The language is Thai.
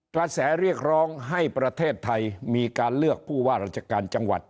กระแสเรียกร้องให้ประเทศไทยมีการเลือกผู้ว่าราชการจังหวัด